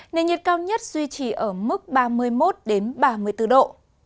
nền nhiệt cao nhất duy trì ở mức ba mươi một ba mươi bốn độ